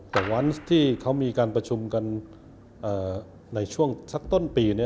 แต่วันที่เขามีการประชุมกันในช่วงสักต้นปี